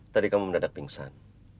tadi kamu mendadak pingsan